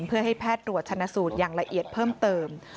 เพื่อให้แพทย์ตรวจชนะสูตรอย่างละเอียดเพิ่มเติม